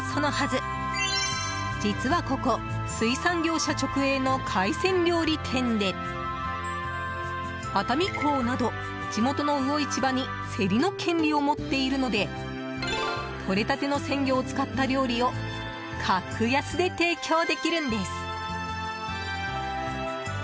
それもそのはず、実はここ水産業者直営の海鮮料理店で熱海港など、地元の魚市場に競りの権利を持っているのでとれたての鮮魚を使った料理を格安で提供できるんです。